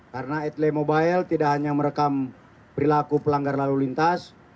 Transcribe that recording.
karena adelaide mobile tidak hanya merekam perilaku pelanggar lalu lintas